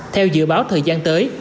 nhiều người bảo thời gian tới